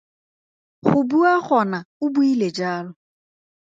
Go bua gona o buile jalo.